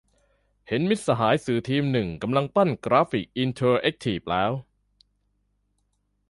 เห็นมิตรสหายสื่อทีมหนึ่งกำลังปั้นกราฟิกอินเทอร์แอคทีฟแล้ว